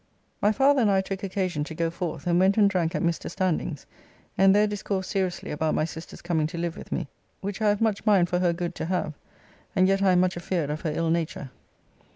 My father and I took occasion to go forth, and went and drank at Mr. Standing's, and there discoursed seriously about my sister's coming to live with me, which I have much mind for her good to have, and yet I am much afeard of her ill nature.